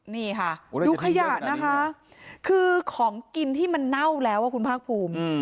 นี่ค่ะดูขยะนะคะคือของกินที่มันเน่าแล้วคุณภาคภูมิ